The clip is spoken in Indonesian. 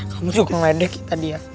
kamu suka medek tadi ya